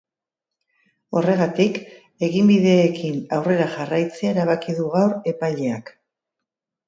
Horregatik, eginbideekin aurrera jarraitzea erabaki du gaur epaileak.